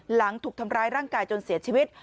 หลังถูกทำร้ายร่างกายจนเสียชีวิต